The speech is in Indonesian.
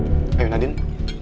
terus berhubungan dengan wulan